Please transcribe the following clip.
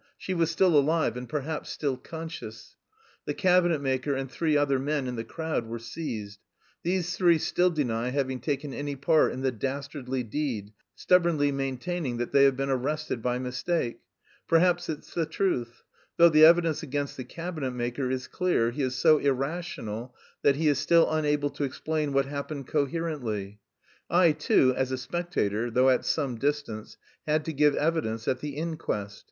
She was still alive and perhaps still conscious. The cabinet maker and three other men in the crowd were seized. These three still deny having taken any part in the dastardly deed, stubbornly maintaining that they have been arrested by mistake. Perhaps it's the truth. Though the evidence against the cabinet maker is clear, he is so irrational that he is still unable to explain what happened coherently. I too, as a spectator, though at some distance, had to give evidence at the inquest.